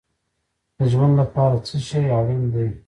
د ژوند لپاره څه شی اړین دی؟